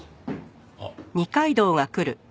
あっ。